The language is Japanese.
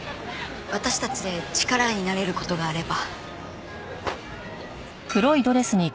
私たちで力になれる事があれば。